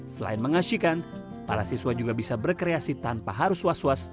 selain mengasihkan para siswa juga bisa berkreasi tanpa harus was was